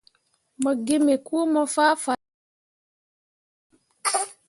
Mo gi me kuumo fah fale.